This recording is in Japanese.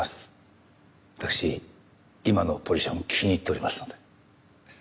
私今のポジション気に入っておりますので。